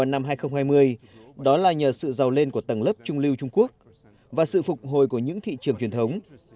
năm hai nghìn hai mươi đó là nhờ sự giàu lên của tầng lớp trung lưu trung quốc và sự phục hồi của những thị trường truyền thống